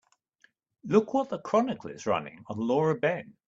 Look what the Chronicle is running on Laura Ben.